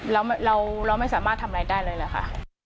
เราไม่สามารถทำอะไรได้เลยเหรอค่ะ